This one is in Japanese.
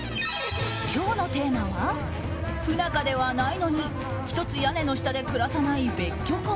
今日のテーマは不仲ではないのにひとつ屋根の下で暮らさない別居婚。